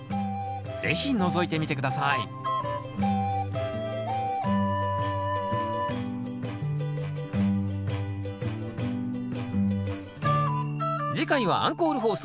是非のぞいてみて下さい次回はアンコール放送